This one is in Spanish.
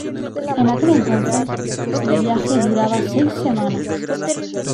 En aquel entonces, el viaje duraba seis semanas.